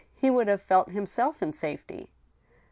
He would have felt himself in safety."